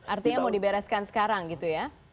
artinya mau dibereskan sekarang gitu ya